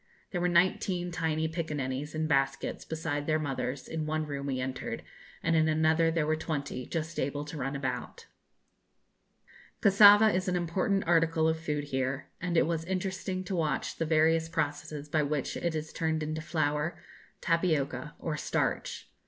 There were nineteen tiny piccaninnies, in baskets, beside their mothers, in one room we entered, and in another there were twenty just able to run about. Cassava is an important article of food here, and it was interesting to watch the various processes by which it is turned into flour, tapioca, or starch.